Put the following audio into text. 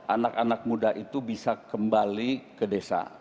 anak anak muda itu bisa kembali ke desa